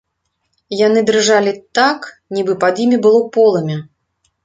Яны дрыжалі так, нібы пад імі было полымя.